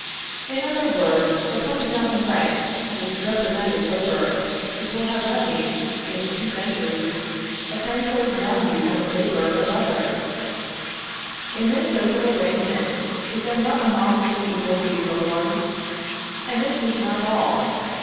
In other words, for 20,000 francs, which represent its labor, it will have levied, in two centuries, a ten fold value on the labor of others. In this social arrangement, is there not a monstrous evil to be reformed? And this is not all.